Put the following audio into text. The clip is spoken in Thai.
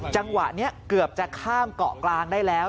จังหวะนี้เกือบจะข้ามเกาะกลางได้แล้ว